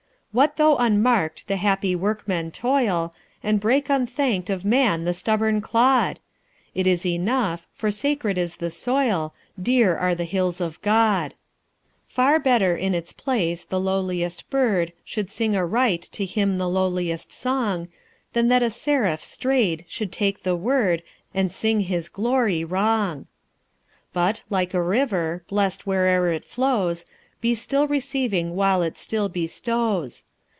"What though unmarked the happy workman toil, And break unthanked of man the stubborn clod? It is enough, for sacred is the soil, Dear are the hills of God. "Far better in its place the lowliest bird Should sing aright to him the lowliest song, Than that a seraph strayed should take the word And sing his glory wrong." "But like a river, blest where'er it flows, Be still receiving while it still bestows."